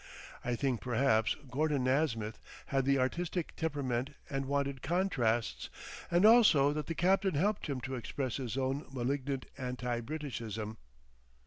I think perhaps Gordon Nasmyth had the artistic temperament and wanted contrasts, and also that the captain helped him to express his own malignant Anti Britishism.